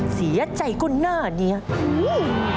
เสียใจก็หน้าเนี้ยอืม